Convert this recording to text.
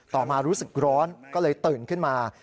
มารู้สึกร้อนก็เลยตื่นขึ้นมา